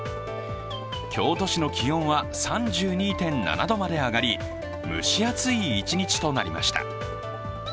京都市の気温は３２．７度まで上がり蒸し暑い一日となりました。